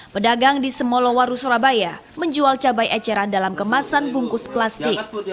pedagang di semolowaru surabaya menjual cabai eceran dalam kemasan bungkus plastik